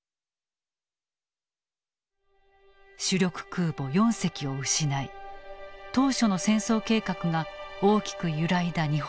主力空母４隻を失い当初の戦争計画が大きく揺らいだ日本軍。